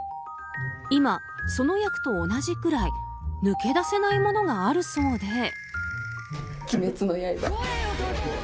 今、その役と同じぐらい抜け出せないものがあるそうで。